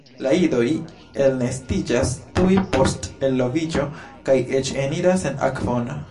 La idoj elnestiĝas tuj post eloviĝo kaj eĉ eniras en akvon.